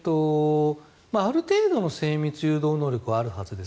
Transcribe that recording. ある程度の精密誘導能力はあるはずです。